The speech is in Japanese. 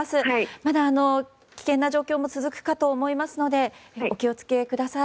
まだ、危険な状況も続くと思いますのでお気を付けください。